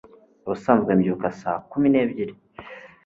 ubusanzwe mbyuka saa kumi n'ebyiri